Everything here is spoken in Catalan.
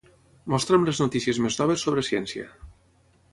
Mostra'm les notícies més noves sobre ciència.